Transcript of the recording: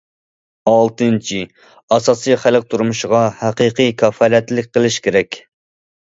ئالتىنچى، ئاساسىي خەلق تۇرمۇشىغا ھەقىقىي كاپالەتلىك قىلىش كېرەك.